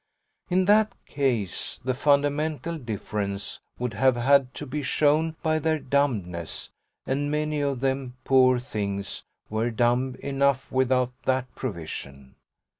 In that case the fundamental difference would have had to be shown by their dumbness, and many of them, poor things, were dumb enough without that provision.